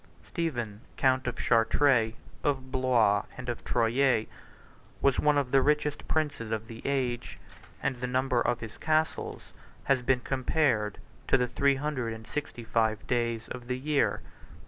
Stephen, count of Chartres, of Blois, and of Troyes, was one of the richest princes of the age; and the number of his castles has been compared to the three hundred and sixty five days of the year.